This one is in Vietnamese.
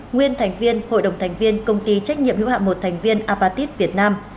nguyên thành viên hội đồng thành viên công ty trách nhiệm hữu hạm một thành viên apatit việt nam